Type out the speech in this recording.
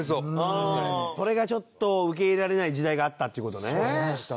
これがちょっと受け入れられない時代があったっていう事ね。